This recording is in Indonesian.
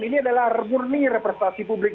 ini adalah murni representasi publik